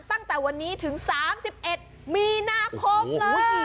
ตั้งแต่วันนี้ถึง๓๑มีนาคมเลย